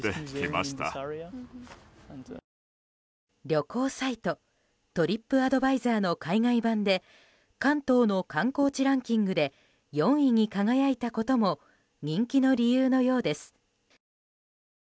旅行サイトトリップ・アドバイザーの海外版で関東の観光地ランキングで４位に輝いたことも人気の理由のようです。